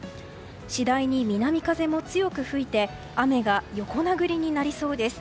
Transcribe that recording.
次第に南風も強く吹いて雨が横殴りになりそうです。